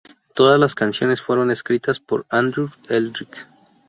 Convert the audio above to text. Todas las canciones fueron escritas por Andrew Eldritch.